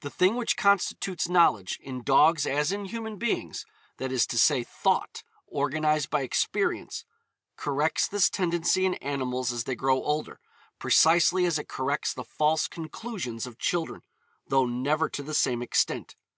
The thing which constitutes knowledge, in dogs as in human beings that is to say, thought, organised by experience corrects this tendency in animals as they grow older, precisely as it corrects the false conclusions of children, though never to the same extent.